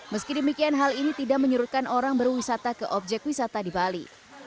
meski demikian hal ini tidak menyurutkan orang berwisata ke objek wisata di bali